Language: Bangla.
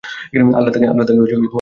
আল্লাহ তাকে রহমত করেননি।